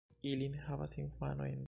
Ili ne havas infanojn.